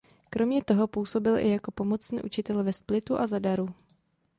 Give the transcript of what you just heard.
Kromě toho působil i jako pomocný učitel ve Splitu a Zadaru.